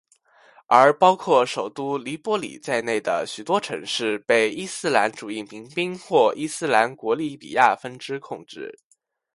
而包括首都的黎波里在内的许多城市被伊斯兰主义民兵或伊斯兰国利比亚分支控制。